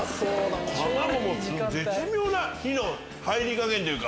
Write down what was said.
卵も絶妙な火の入り加減というか。